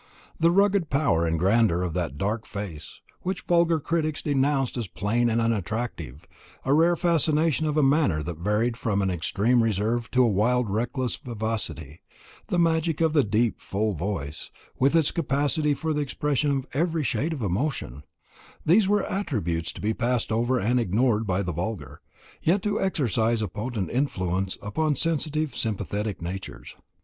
The rugged power and grandeur of that dark face, which vulgar critics denounced as plain and unattractive, the rare fascination of a manner that varied from an extreme reserve to a wild reckless vivacity, the magic of the deep full voice, with its capacity for the expression of every shade of emotion these were attributes to be passed over and ignored by the vulgar, yet to exercise a potent influence upon sensitive sympathetic natures.